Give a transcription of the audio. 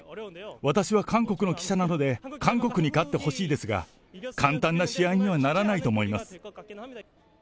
私は韓国の記者なので、韓国に勝ってほしいですが、簡単な試合にはならないと思います。